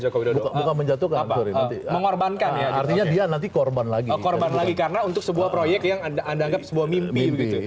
korban lagi karena untuk sebuah proyek yang anda anggap sebuah mimpi begitu